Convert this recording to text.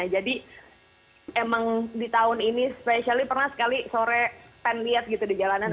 jadi emang di tahun ini spesial pernah sekali sore pen lihat di jalanan